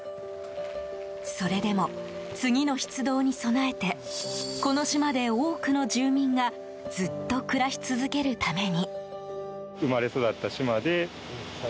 それでも、次の出動に備えてこの島で、多くの住民がずっと暮らし続けるために。